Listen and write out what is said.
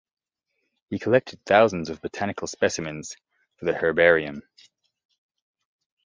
He collected thousands of botanical specimens for the Herbarium.